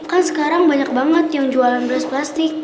kan sekarang banyak banget yang jualan beras plastik